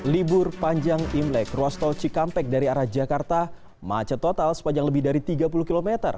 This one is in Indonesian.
libur panjang imlek ruas tol cikampek dari arah jakarta macet total sepanjang lebih dari tiga puluh km